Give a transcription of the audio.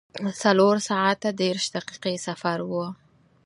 څلور ساعته دېرش دقیقې سفر و.